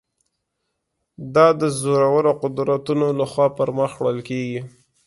دا د زورورو قدرتونو له خوا پر مخ وړل کېږي.